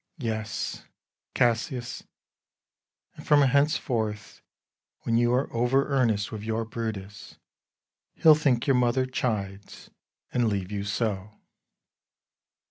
Bru. Yes, Cassius; and, from henceforth, When you are over earnest with your Brutus, He'll think your mother chides, and leave you so.